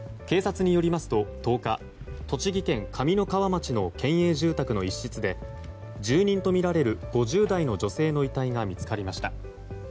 警察によりますと１０日栃木県上三川町の県営住宅の一室で住人とみられる５０代の女性の遺体が見つかりました。